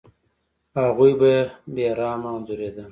هغوی به بې رحمه انځورېدل.